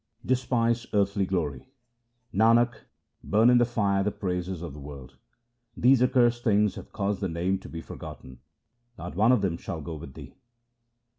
Despise earthly glory :— Nanak, burn in the fire the praises of the world ; These accursed things have caused the Name to be for gotten ; not one of them shall go with thee.